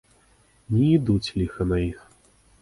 Не ідуць, ліха на іх!